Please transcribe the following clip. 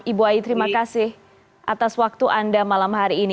ibu ai terima kasih atas waktu anda malam hari ini